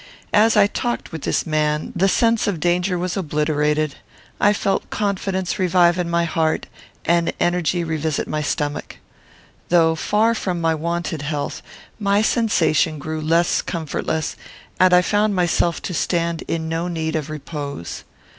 As I talked with this man, the sense of danger was obliterated, I felt confidence revive in my heart, and energy revisit my stomach. Though far from my wonted health, my sensation grew less comfortless, and I found myself to stand in no need of repose.